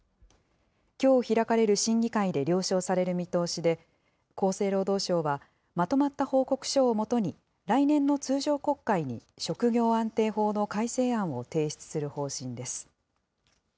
きょう開かれる審議会で了承される見通しで、厚生労働省はまとまった報告書をもとに、来年の通常国会に職業安定法の改正案を提出する方針です。